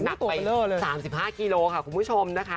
หนักไป๓๕กิโลค่ะคุณผู้ชมนะคะ